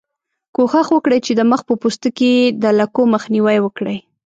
کوښښ وکړئ چې د مخ په پوستکي کې د لکو مخنیوی وکړئ.